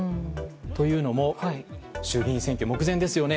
というのも衆議院選挙目前ですよね。